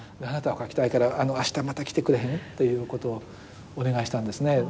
あなたを描きたいからあしたまた来てくれへん？ということをお願いしたんですね。